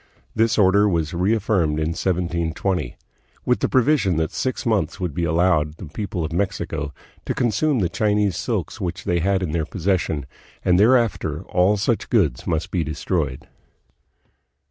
This order was reaffirmed in 1720" with the provision that six months would be allowed the people of Mexico to consume the Chinese silks which they had in their possession, and thereafter all such goods must be destroyed.